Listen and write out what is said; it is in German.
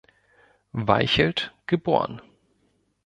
Weichelt, geboren.